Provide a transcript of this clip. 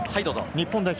日本代表